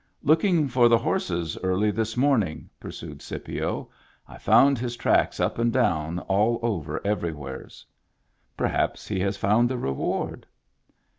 "Looking for the horses early this morning," pursued Scipio, " I found his tracks up and down all over everywheres." Perhaps he has found the reward."